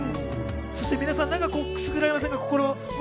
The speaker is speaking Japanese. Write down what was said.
そして皆さん、くすぐられませんか？